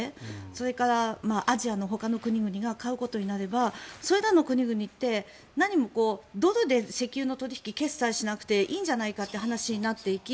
それからアジアのほかの国々が買うことになればそれらの国々って何もドルで石油の取引決済しなくていいんじゃないかという話になっていき